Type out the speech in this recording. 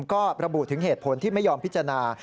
ก็ระบุถึงเหตุผลที่ไม่ยอมพิจารณา